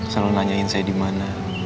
selalu nanyain saya di mana